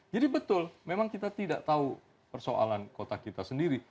jadi betul memang kita tidak tahu persoalan kota kita sendiri